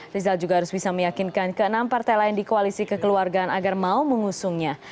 rizal juga harus bisa meyakinkan ke enam partai lain di koalisi kekeluargaan agar mau mengusungnya